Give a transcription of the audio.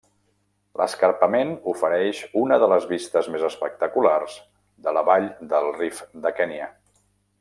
L'escarpament ofereix una de les vistes més espectaculars de la vall del Rift de Kenya.